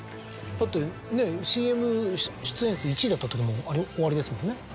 だってＣＭ出演数１位だったときもおありですもんね。